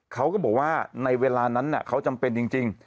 เขาก็บอกว่าในเวลานั้นเขาจำเป็นจริง